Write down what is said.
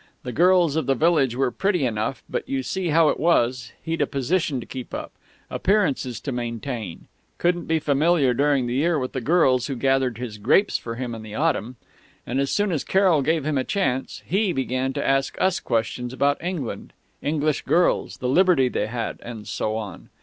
The girls of the village were pretty enough, but you see how it was he'd a position to keep up appearances to maintain couldn't be familiar during the year with the girls who gathered his grapes for him in the autumn.... And as soon as Carroll gave him a chance, he began to ask us questions, about England, English girls, the liberty they had, and so on.